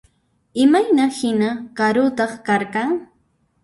Imayna hina karutaq karqan?